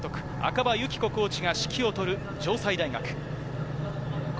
赤羽周平監督、赤羽有紀子コーチが指揮を執る城西大学。